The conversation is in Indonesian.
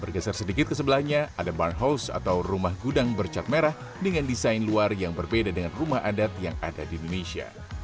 bergeser sedikit ke sebelahnya ada barnhouse atau rumah gudang bercat merah dengan desain luar yang berbeda dengan rumah adat yang ada di indonesia